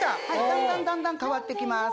だんだんだんだん変わってきます。